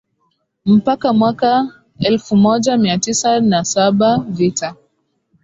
Mpaka mwaka elfu moja mia tisa na saba Vita